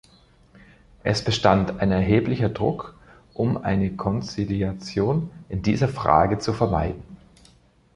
Es bestand ein erheblicher Druck, um eine Konziliation in dieser Frage zu vermeiden.